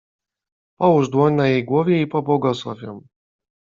Połóż dłoń na jej głowie i pobłogosław ją.